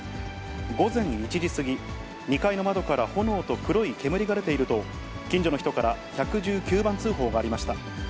午前１時過ぎ、２階の窓から炎と黒い煙が出ていると、近所の人から１１９番通報がありました。